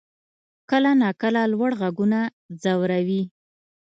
کله ناکله لوړ غږونه ځوروي.